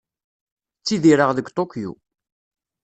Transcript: Ttidireɣ deg Tokyo.